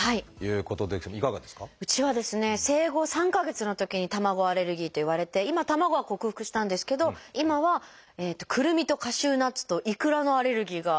うちはですね生後３か月のときに卵アレルギーと言われて今卵は克服したんですけど今はくるみとカシューナッツとイクラのアレルギーがあるんですよね。